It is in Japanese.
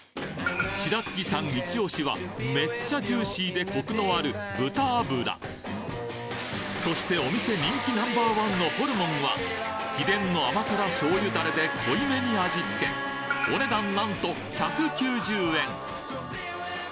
白附さんイチオシはめっちゃジューシーでコクのあるそしてお店人気ナンバーワンのホルモンは秘伝の甘辛醤油ダレで濃いめに味付けお値段なんと１９０円